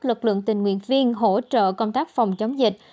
lực lượng tình nguyện viên hỗ trợ công tác phòng chống dịch